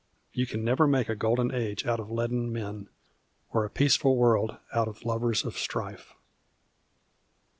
You can never make a golden age out of leaden men, or a peaceful world out of lovers of strife.